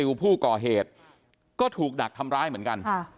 ผู้ก่อเหตุก็ถูกดักทำร้ายเหมือนกัน